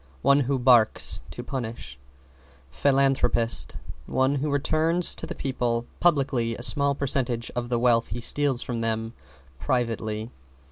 One who barks to punish. =PHILANTHROPIST= One who returns to the people publicly a small percentage of the wealth he steals from them privately.